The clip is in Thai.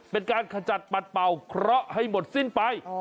เป็นการขจัดปัดเป่าเคราะห์ให้หมดสิ้นไป